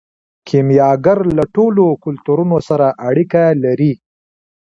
کیمیاګر له ټولو کلتورونو سره اړیکه لري.